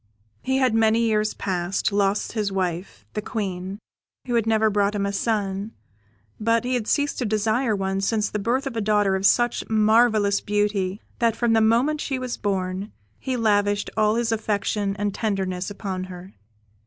He had, many years past, lost his wife, the Queen, who had never brought him a son; but he had ceased to desire one since the birth of a daughter of such marvellous beauty, that from the moment she was born he lavished all his affection and tenderness upon her.